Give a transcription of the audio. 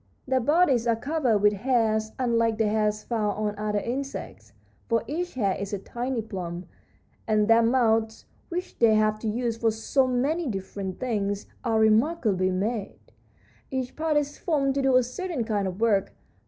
Their bodies are covered with hairs, unlike the hairs found on other insects, for each hair is a tiny plume. And their mouths, which they have to use for so many different things, are remarkably made; each part is formed to do a certain kind of work.